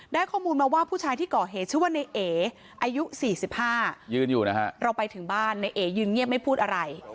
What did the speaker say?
ข้อมูลมาว่าผู้ชายที่ก่อเหตุชื่อว่าในเออายุ๔๕ยืนอยู่นะฮะเราไปถึงบ้านในเอยืนเงียบไม่พูดอะไร